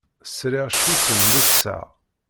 Sriɣ cwiṭ n littseɛ.